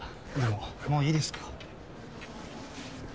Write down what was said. もういいですか？